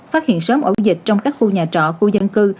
phát hiện sớm ổ dịch trong các khu nhà trọ khu dân cư